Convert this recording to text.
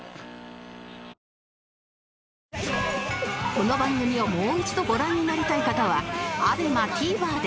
この番組をもう一度ご覧になりたい方は ＡＢＥＭＡＴＶｅｒ で